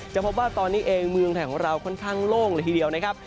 จะพบว่าตอนนี้เองเมืองไทยของเราค่อนข้างโล่งเลยทีเดียวนะครับ